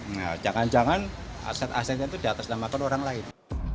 nah jangan jangan aset asetnya itu diatasnamakan orang lain